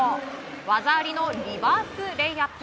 技ありのリバースレイアップ。